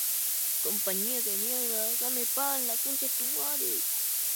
Bajo el escudo figuran dos ramas de laurel trazadas esquemáticamente.